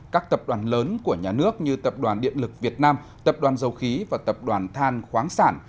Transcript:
các tập đoàn lớn của nhà nước như tập đoàn điện lực việt nam tập đoàn dầu khí và tập đoàn than khoáng sản